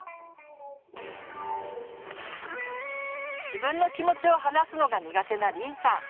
自分の気持ちを話すのが苦手なりんさん。